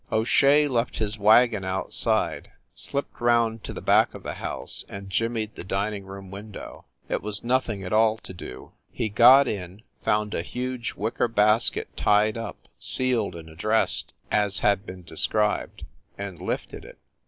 O Shea left his wagon outside, slipped round to the back of the house and jimmied the din ing room window. It was nothing at all to do. He got in, found a huge wicker basket tied up, sealed and addressed, as had been described, and lifted it.